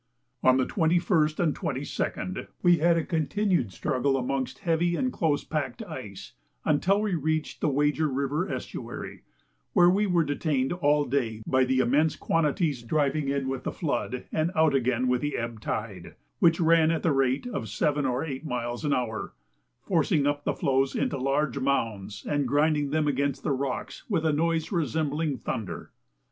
On the 21st and 22d we had a continued struggle amongst heavy and close packed ice until we reached Wager River Estuary, where we were detained all day by the immense quantities driving in with the flood and out again with the ebb tide, which ran at the rate of 7 or 8 miles an hour, forcing up the floes into large mounds, and grinding them against the rocks, with a noise resembling thunder.